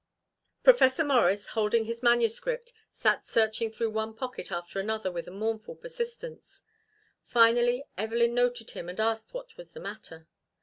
Professor Morris, holding his manuscript, sat searching through one pocket after another with a mournful persistence. Finally Evelyn noted him and asked what was the matter.